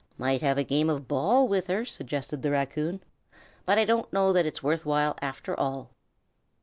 "Might have a game of ball with her," suggested the raccoon. "But I don't know that it's worth while, after all."